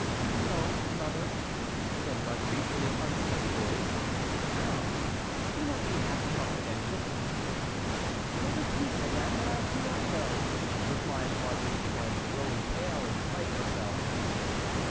"No, mother," said Marguerite, in an unsteady voice. "Come, do not be half confidential." "I repeat, madame, that I do not know," replied Marguerite again, growing pale in spite of herself.